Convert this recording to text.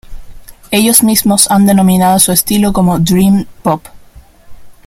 Ellos mismos han denominado su estilo como "Dream Pop".